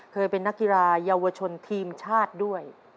เคยเป็นนักกีฬาเยาวชนทีมชาติด้วย